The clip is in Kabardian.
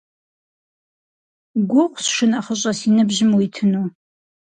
Гугъущ, шынэхъыщӀэ, си ныбжьым уитыну.